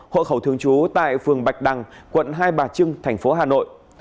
hộ khẩu thường chú tại phường bạch đăng quận hai bà trưng thành phố hà nội